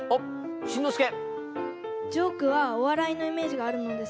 しんのすけ。